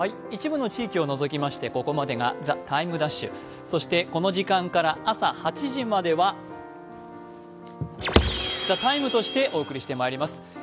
一部の地域を除きまして、ここまでが「ＴＨＥＴＩＭＥ’」、この時間から朝８時までは「ＴＨＥＴＩＭＥ，」としてお送りしてまいります。